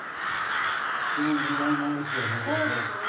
年代物ですよねこれね。